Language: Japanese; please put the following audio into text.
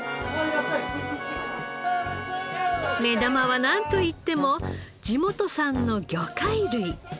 目玉はなんといっても地元産の魚介類。